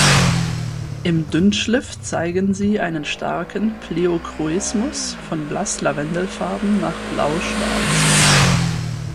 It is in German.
Im Dünnschliff zeigen sie einen starken Pleochroismus von blass lavendelfarben nach blauschwarz.